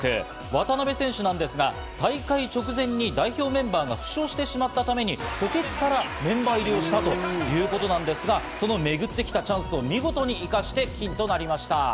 渡部選手なんですが、大会直前に代表メンバーが負傷してしまったために補欠からメンバー入りをしたということなんですが、そのめぐってきたチャンスを見事に生かして金となりました。